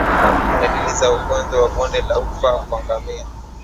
Dalili za ugonjwa wa bonde la ufa kwa ngamia